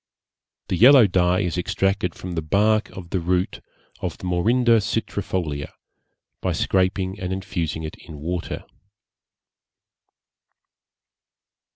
The yellow dye is extracted from the bark of the root of the Morinda citrifolia, by scraping and infusing it in water.